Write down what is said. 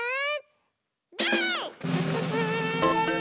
ゴー！